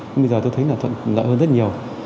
bây giờ tôi thấy thuận lợi hơn rất nhiều